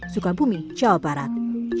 sukabumi jawa barat